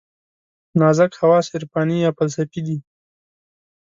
نازک حواس عرفاني یا فلسفي دي.